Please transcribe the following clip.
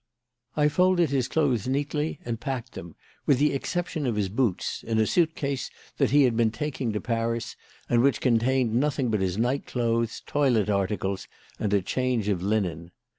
I folded his clothes neatly and packed them, with the exception of his boots, in a suit case that he had been taking to Paris and which contained nothing but his night clothes, toilet articles, and a change of linen.